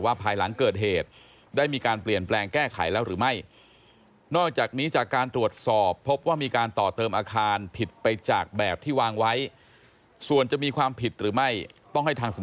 ภายหลังเกิดเหตุได้มีการเปลี่ยนแปลงแก้ไขแล้วหรือไม่